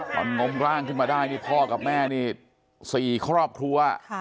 งมร่างขึ้นมาได้นี่พ่อกับแม่นี่๔ครอบครัว